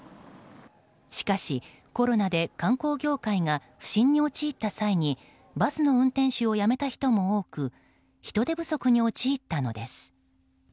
しかし、コロナで観光業界が不振に陥った際にバスの運転手を辞めた人も多く人手不足に陥ったのです。